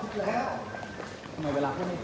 คิดแล้ว